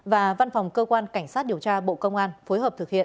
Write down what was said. và văn phòng cơ quan cảnh sát điều tra bộ công an phối hợp thực hiện